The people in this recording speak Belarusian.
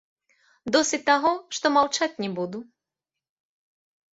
Досыць таго, што маўчаць не буду.